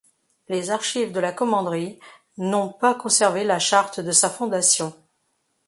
Les archives de la commanderie n'ont pas conservé la charte de sa fondation.